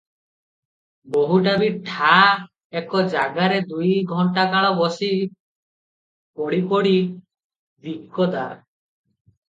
ବୋହୂଟା ବି ଠାଁ ଏକ ଜାଗାରେ ଦୁଇ ଘଣ୍ଟାକାଳ ବସି ପଢ଼ି ପଢ଼ି ଦିକଦାର ।